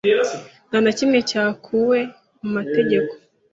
Nta na kimwe cyakuwe mu mategeko.